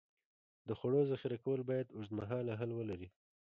د خوړو ذخیره کول باید اوږدمهاله حل ولري.